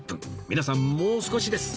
皆さんもう少しです